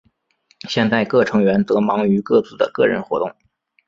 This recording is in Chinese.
现在各成员则忙于各自的个人活动。